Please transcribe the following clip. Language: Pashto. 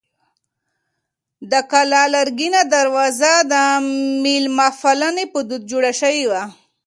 د کلا لرګینه دروازه د مېلمه پالنې په دود جوړه شوې وه.